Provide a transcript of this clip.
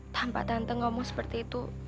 tanpa tante ngomong seperti itu